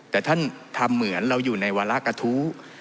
แต่ท่านทำเหมือนเราอยู่ในวาระกระทู้